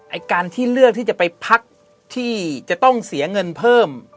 ไอ้การที่เลือกที่จะไปพักที่จะต้องเสียเงินเพิ่ม